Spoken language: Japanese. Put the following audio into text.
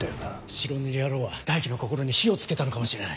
白塗り野郎は大樹の心に火を付けたのかもしれない。